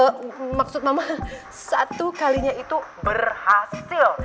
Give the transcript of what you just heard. eh maksud mama satu kalinya itu berhasil